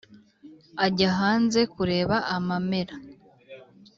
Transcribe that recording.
ajya hanze kureba amamera